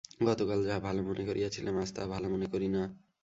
গতকাল যাহা ভাল মনে করিয়াছিলাম, আজ তাহা ভাল মনে করি না।